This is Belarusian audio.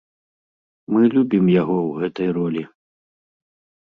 Мы любім яго ў гэтай ролі.